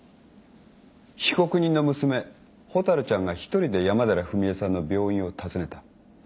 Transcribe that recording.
被告人の娘ほたるちゃんが一人で山寺史絵さんの病院を訪ねた。